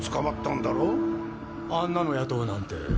あんなの雇うなんて。